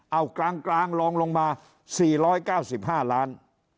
เอากลางลองลงมา๔๙๕ล้าน